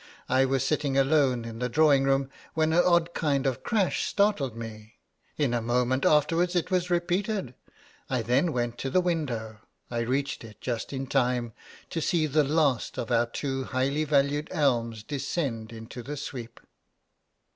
I was sitting alone in the drawing room when an odd kind of crash startled me. In a moment afterwards it was repeated. I then went to the window. I reached it just in time to see the last of our two highly valued elms descend into the sweep!!!